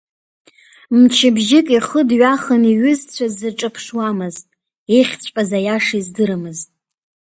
Мчыбжьык ихы дҩахан иҩызцәа дзырҿаԥшуамызт, ихьҵәҟьаз аиаша издырамызт.